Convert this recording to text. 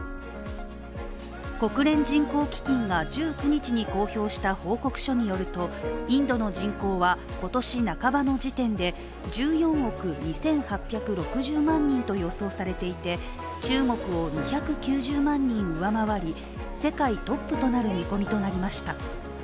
国連人口基金が１９日に公表した報告書によると、インドの人口は今年半ばの時点で１４億２８６０万人と予想されていて中国を２９０万人上回り世界トップとなる見込みとなりました。